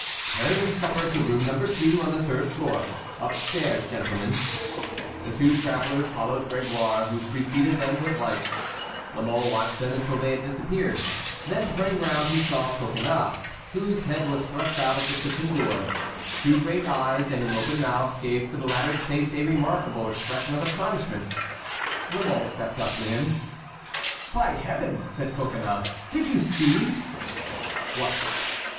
"Carry the supper to room No. 2, on the third floor. Upstairs, gentlemen." The two travellers followed Grégoire, who preceded them with lights. La Mole watched them until they had disappeared. Then turning round he saw Coconnas, whose head was thrust out of the kitchen door. Two great eyes and an open mouth gave to the latter's face a remarkable expression of astonishment. La Mole stepped up to him. "By Heaven!" said Coconnas, "did you see?" "What?"